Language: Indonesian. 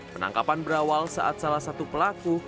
penangkapan berawal saat salah satu pelaku